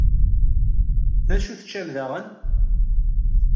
D acu teččam daɣen?